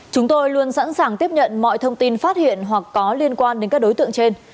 chúng tôi luôn sẵn sàng tiếp nhận mọi thông tin phát hiện hoặc có liên quan đến các đối tượng trên